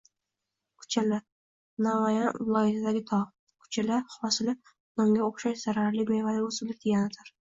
Kuchala - Namangan viloyatidagi tog‘. Kuchala - hosili nonga o‘xshash zaharli mevali o‘simlik deganidir.